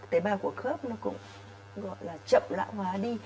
tế bào của khớp nó cũng gọi là chậm lão hóa đi